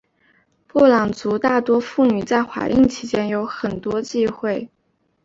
布朗族大多数妇女在怀孕期间有很多禁忌。